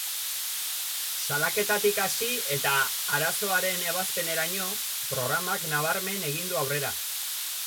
Salaketatik hasi eta arazoaren ebazpeneraino, programak nabarmen egin du aurrera.